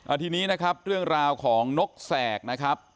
ทีนี้นะครับเรื่องราวของนกแสกนะครับ